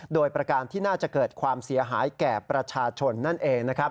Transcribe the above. โดยประการที่น่าจะเกิดความเสียหายแก่ประชาชนนั่นเองนะครับ